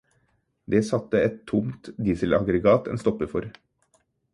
Det satte et tomt dieselaggregat en stopper for.